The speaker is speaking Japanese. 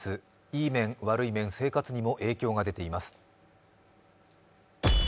いい面、悪い面、生活にも影響が出ています。